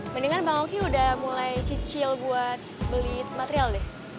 mendingan bang oki udah mulai cicil buat beli material deh